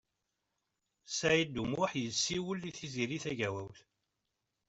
Saɛid U Muḥ yessiwel i Tiziri Tagawawt.